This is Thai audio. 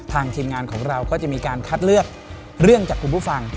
ทีมงานของเราก็จะมีการคัดเลือกเรื่องจากคุณผู้ฟัง